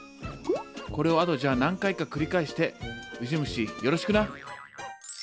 これをあとじゃあ何回か繰り返してウジ虫よろしくな。